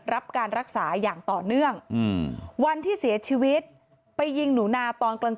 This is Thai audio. รับการรักษาอย่างต่อเนื่องวันที่เสียชีวิตไปยิงหนูนาตอนกลาง